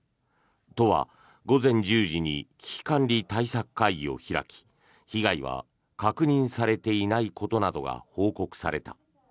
都は、午前１０時に危機管理対策会議を開き被害は確認されていないことなどが報告された。